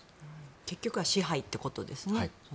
結局は支配ということですね。